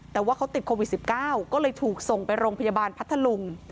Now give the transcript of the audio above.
แต่ว่าเขาติดโควิด๑๙ก็เลยถูกส่งไปโรงพยาบาลพัทธลุง